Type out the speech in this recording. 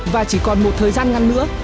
và chỉ còn một thời gian ngăn nữa